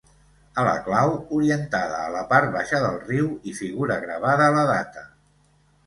A la clau, orientada a la part baixa del riu, hi figura gravada la data.